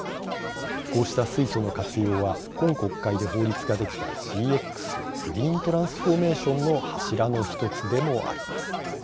こうした水素の活用は今国会で法律ができたＧＸ、グリーントランスフォーメーションの柱の１つでもあります。